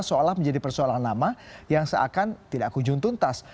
seolah menjadi persoalan lama yang seakan tidak kunjung tuntas